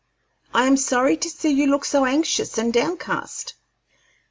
I am sorry to see you look so anxious and downcast."